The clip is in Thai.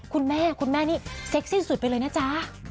คุณแม่คุณแม่นี่เซ็กสิ้นสุดไปเลยนะจ๊ะ